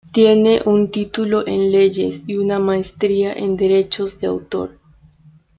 Tiene un título en Leyes y una Maestría en Derechos de Autor.